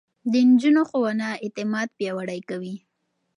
د نجونو ښوونه اعتماد پياوړی کوي.